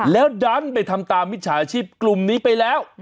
แล้วดันไปทำตามมิจฉาชีพกลุ่มนี้ไปแล้ว